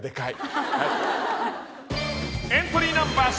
［エントリーナンバー１３］